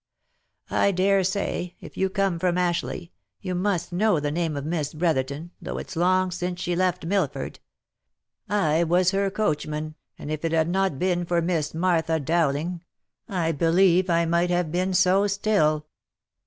I dare say, if you come from Ashleigh, you must know the name of Miss Brotherton, though it's long since she left Milford. I was her coachman, and if it had not been for JVIiss Martha Dowling, I believe I might have been so still."